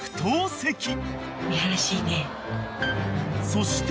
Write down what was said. ［そして］